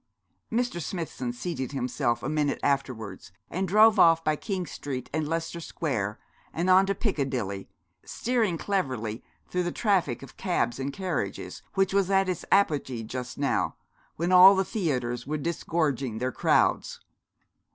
Mr. Smithson seated himself a minute afterwards, and drove off by King Street and Leicester Square and on to Piccadilly, steering cleverly through the traffic of cabs and carriages, which was at its apogee just now, when all the theatres were disgorging their crowds.